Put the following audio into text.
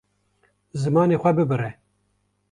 Zimanê xwe bibire.